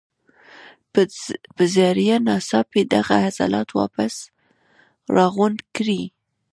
پۀ ذريعه ناڅاپي دغه عضلات واپس راغونډ کړي